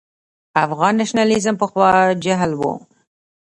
افغان نېشنلېزم پخوا جهل و.